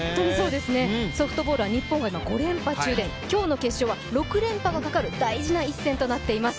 ソフトボールは日本は５連覇中で今日の決勝は、６連覇がかかる大事な一戦となっています。